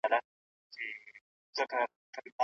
هغوی په ډېر سرعت سره خپلي دندي خلاصي کړي.